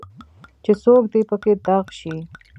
چې څوک دي پکې دغ شي.